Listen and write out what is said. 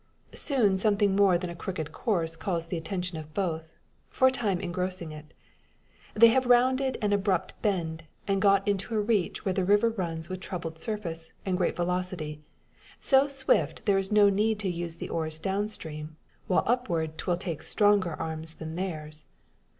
Soon something more than a crooked course calls the attention of both, for a time engrossing it. They have rounded an abrupt bend, and got into a reach where the river runs with troubled surface and great velocity so swift there is no need to use oars down stream, while upward 'twill take stronger arms than theirs.